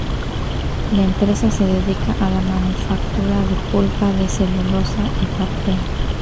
La empresa se dedica a la manufactura de pulpa de celulosa y papel.